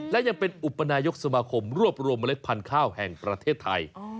และยังเป็นอุปนายกสมาคมรวบรวมเมล็ดพันธุ์ข้าวแห่งประเทศไทย